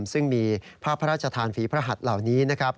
ซึ่งมีภาพพระราชทานฝีพระหัสเหล่านี้นะครับ